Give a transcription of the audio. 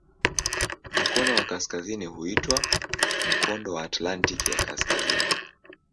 Mkono wa kaskazini huitwa "Mkondo wa Atlantiki ya Kaskazini".